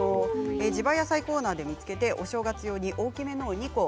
地場野菜コーナーで見つけてお正月用に、大きめのもの。